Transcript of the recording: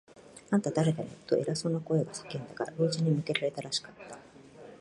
「あんた、だれだね？」と、偉そうな声が叫んだが、老人に向けられたらしかった。